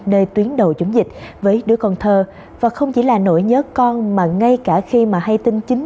nơi tuyến đầu chống dịch với đứa con thơ và không chỉ là nỗi nhớ con mà ngay cả khi mà hay tin chính